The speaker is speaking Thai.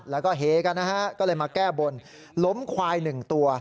แล้วก็เฮกันนะฮะก็เลยมาแก้บนล้มควายหนึ่งตัว